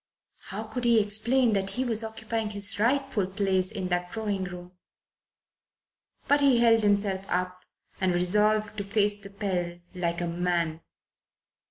How could he explain that he was occupying his rightful place in that drawing room? But he held himself up and resolved to face the peril like a man.